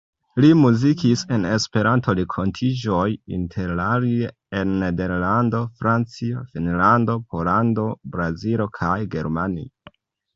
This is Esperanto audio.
Li muzikis en Esperanto-renkontiĝoj interalie en Nederlando, Francio, Finnlando, Pollando, Brazilo kaj Germanio.